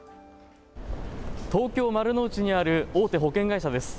東京丸の内にある大手保険会社です。